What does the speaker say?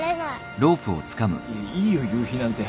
いいよ夕日なんて。